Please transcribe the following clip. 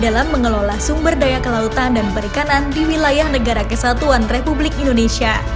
dalam mengelola sumber daya kelautan dan perikanan di wilayah negara kesatuan republik indonesia